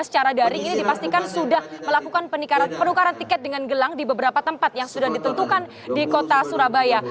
secara daring ini dipastikan sudah melakukan penukaran tiket dengan gelang di beberapa tempat yang sudah ditentukan di kota surabaya